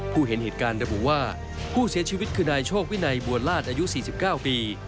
เห็นเหตุการณ์ระบุว่าผู้เสียชีวิตคือนายโชควินัยบัวลาศอายุ๔๙ปี